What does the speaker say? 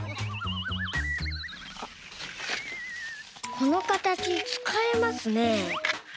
このかたちつかえますね。